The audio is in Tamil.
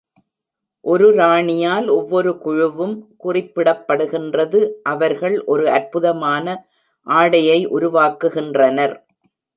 ஒரு ராணியால்ஒவ்வொரு குழுவும் குறிப்பிடப்படுகின்றது.அவர்கள் ஒரு அற்புதமான ஆடையை உருவாக்குகின்றனர்.